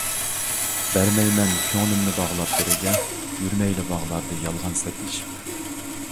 بەرمەيمەن كۆڭلۈمنى باغلاپ بىرىگە، يۈرمەيلى باغلاردا يالغان سىردىشىپ.